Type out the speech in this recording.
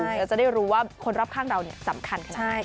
เราจะได้รู้ว่าคนรอบข้างเราสำคัญขนาดไหน